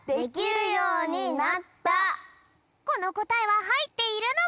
このこたえははいっているのか！？